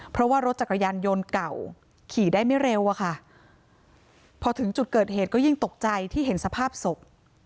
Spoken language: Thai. เพราะว่ารถจักรยานยนต์เก่าขี่ได้ไม่เร็วอะค่ะพอถึงจุดเกิดเหตุก็ยิ่งตกใจที่เห็นสภาพศพ